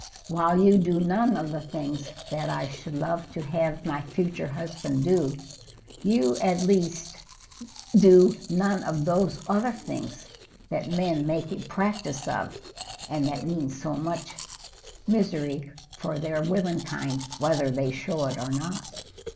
While you do none of the things that I should love to have my future husband do, you at least do none of those other things that men make a practise of, and that mean so much misery for their womenkind, whether they show it or not.